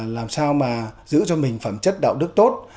làm sao mà giữ cho mình phẩm chất đạo đức tốt